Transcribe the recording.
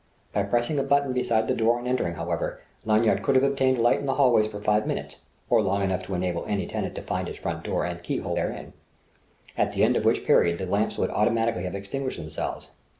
By pressing a button beside the door on entering, however, Lanyard could have obtained light in the hallways for five minutes, or long enough to enable any tenant to find his front door and the key hole therein; at the end of which period the lamps would automatically have extinguished themselves.